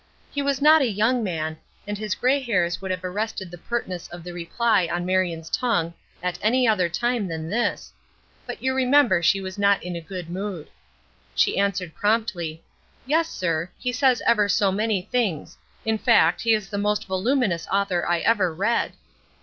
He was not a young man, and his gray hairs would have arrested the pertness of the reply on Marion's tongue at any other time than this, but you remember that she was not in a good mood. She answered promptly; "Yes, sir, he says ever so many things. In fact, he is the most voluminous author I ever read."